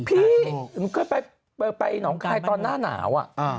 พี่เคยไปหนองคายตอนหน้าหนาว